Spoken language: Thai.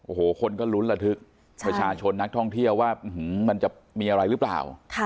โอ้โหคนก็ลุ้นระทึกประชาชนนักท่องเที่ยวว่ามันจะมีอะไรหรือเปล่า